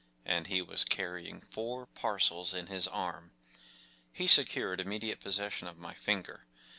And he was carrying four parcels in his arm ! He. secured immediate possession of my finger.